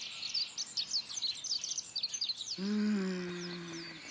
うん。